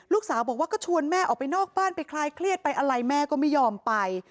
ลูกสาวบอกว่าก็ชวนแม่ออกไปนอกบ้านไปคลายเครียดไปอะไรแม่ก็ไม่ยอมไป